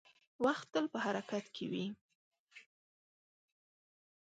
• وخت تل په حرکت کې وي.